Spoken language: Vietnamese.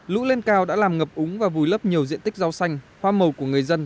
lũ lên cao đã làm ngập úng và vùi lấp nhiều diện tích rau xanh hoa màu của người dân